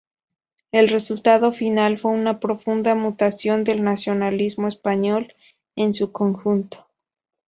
El resultado final fue una profunda mutación del nacionalismo español en su conjunto.